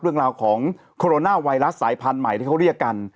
เรื่องราวของโคโรนาไวรัสสายพันธุ์ใหม่ที่เขาเรียกกัน